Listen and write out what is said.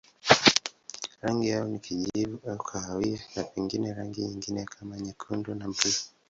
Rangi yao ni kijivu au kahawia na pengine rangi nyingine kama nyekundu na buluu.